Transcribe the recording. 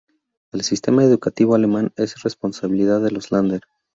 El sistema educativo alemán es responsabilidad de los "Länder".